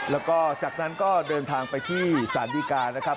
แล้วก็จากนั้นก็เดินทางไปที่สารดีกานะครับ